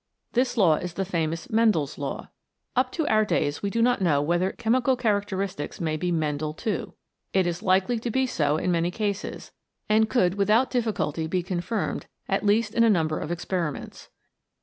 This law is the famous Mendel's Law. Up to our days we do not know whether chemical characteristics may " mendel " too. It is likely to be so in many cases, and could without difficulty be confirmed at least in a number of experiments.